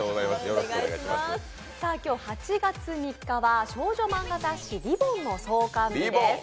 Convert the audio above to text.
今日８月３日は少女漫画雑誌「りぼん」の創刊日です。